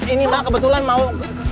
ini mak kebetulan mau